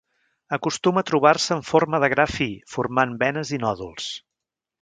Acostuma a trobar-se en forma de gra fi, formant venes i nòduls.